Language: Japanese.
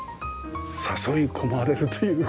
誘い込まれるというか。